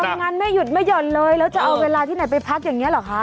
งั้นไม่หยุดไม่ห่อนเลยแล้วจะเอาเวลาที่ไหนไปพักอย่างนี้หรอคะ